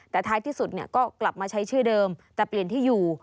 แต่ท้ายที่สุดก็กลับมาใช้ชื่อเดิมแต่เปลี่ยนที่อยู่